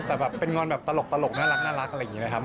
แต่แบบเป็นงอนแบบตลกน่ารักอะไรอย่างนี้นะครับ